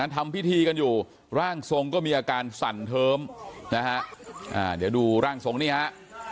ทำพิธีกันอยู่ร่างทรงก็มีอาการสั่นเทิมนะฮะเดี๋ยวดูร่างทรงนี่ฮะ